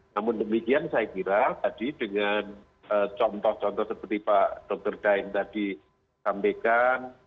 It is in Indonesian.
namun demikian saya kira tadi dengan contoh contoh seperti pak dr daeng tadi sampaikan